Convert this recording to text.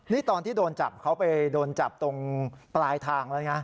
นี่ตอนที่โดนจับเขาไปโดนจับตรงปลายทางแล้วนะ